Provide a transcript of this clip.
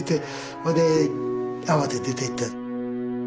それで慌てて出ていった。